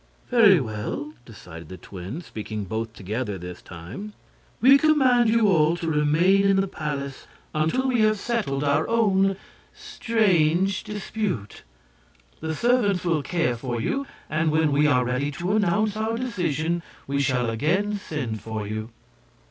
"Very well," decided the twins, speaking both together this time. "We command you all to remain in the palace until we have settled our own strange dispute. The servants will care for you, and when we are ready to announce our decision we shall again send for you."